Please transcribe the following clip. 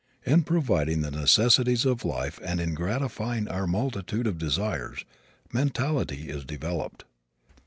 In providing the necessities of life and in gratifying our multitude of desires mentality is developed.